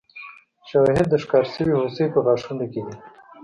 شواهد د ښکار شوې هوسۍ په غاښونو کې دي.